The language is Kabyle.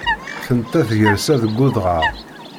Tenta tgersa deg udɣaɣ.